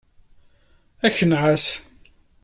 Ad k-nɛass.